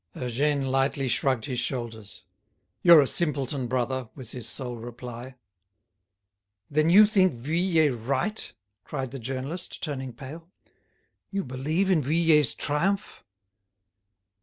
Eugène lightly shrugged his shoulders. "You're a simpleton, brother," was his sole reply. "Then you think Vuillet right?" cried the journalist, turning pale; "you believe in Vuillet's triumph?"